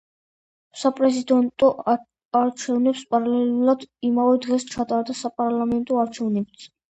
საპრეზიდენტო არჩევნების პარალელურად, იმავე დღეს ჩატარდა საპარლამენტო არჩევნებიც.